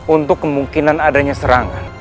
untuk kemungkinan adanya serangan